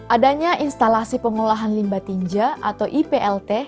adanya instalasi pengolahan limba tinja atau iplt